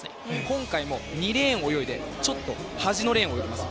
今回も２レーンを泳いでちょっと端のレーンを泳ぎます。